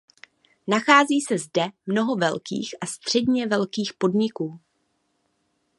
Nachází se zde mnoho velkých a středně velkých podniků.